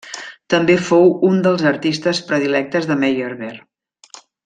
També fou un dels artistes predilectes de Meyerbeer.